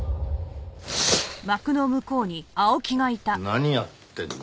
何やってんの？